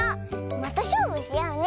またしょうぶしようね。